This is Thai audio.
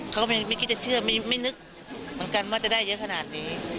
เขาก็ไม่คิดจะเชื่อไม่นึกเหมือนกันว่าจะได้เยอะขนาดนี้